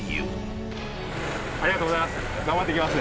ありがとうございます。